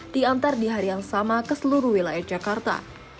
diantar di hari yang sama ke seluruh wilayah jakarta